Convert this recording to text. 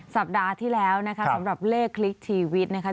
สัปดาห์ที่แล้วนะคะสำหรับเลขคลิกชีวิตนะคะ